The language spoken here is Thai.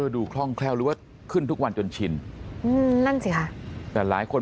คล่องแคล่วหรือว่าขึ้นทุกวันจนชินอืมนั่นสิค่ะแต่หลายคน